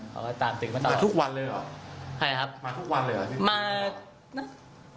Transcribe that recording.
เขาก็ตามจึงมาต่อมาทุกวันเลยเหรอใครครับมาทุกวันเลยเหรอ